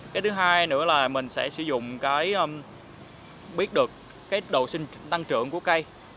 cái thứ hai nữa là mình sẽ sử dụng biết được độ năng trưởng của cây